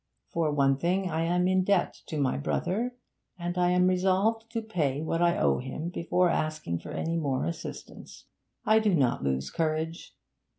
For one thing, I am in debt to my brother, and I am resolved to pay what I owe him before asking for any more assistance. I do not lose courage.